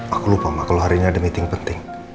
aku lupa mak kalau hari ini ada meeting penting